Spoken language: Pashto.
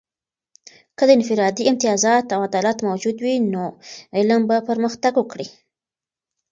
که د انفرادي امتیازات او عدالت موجود وي، نو علم به پرمختګ وکړي.